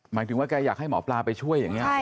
หมายถึงว่าแกอยากให้หมอปลาไปช่วยอย่างนี้